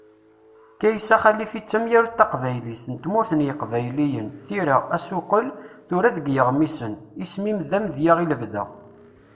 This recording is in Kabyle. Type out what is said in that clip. Kaysa Xalifi d tamyarut taqbaylit, n tmurt n yiqbayliyen, tira, asuqqel, tura deg yeɣmisen. Isem-im d amedya i lebda.